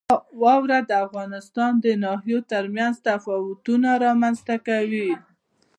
واوره د افغانستان د ناحیو ترمنځ تفاوتونه رامنځ ته کوي.